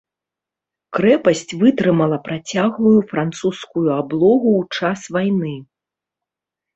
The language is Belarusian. Крэпасць вытрымала працяглую французскую аблогу ў час вайны.